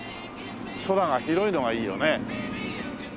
空が広いのがいいよね。